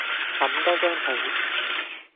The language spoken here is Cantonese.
冚多張被